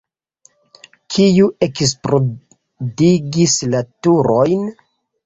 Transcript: Kiu eksplodigis la turojn?